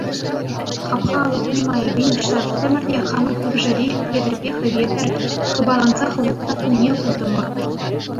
Хапха алӑкне майӗпен уҫса кӗтӗмӗр те хамӑр кӳршӗри Петӗрпе Хӗветӗр хыпалансах вут татнине куртӑмӑр.